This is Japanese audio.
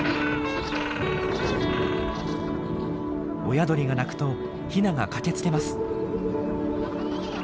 親鳥が鳴くとヒナが駆けつけます。